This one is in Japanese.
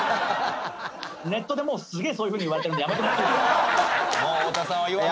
ネットでもうすげえそういうふうに言われてるんでやめてもらっていいですか？